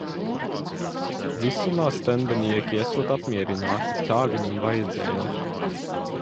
Visumā stendenieki esot apmierināti, tā viņam vajadzēja.